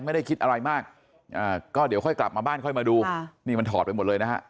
ไม่ได้คิดอะไรมากก็เดี๋ยวค่อยกลับมาบ้านค่อยมาดูนี่มันถอดไปหมดเลยนะฮะ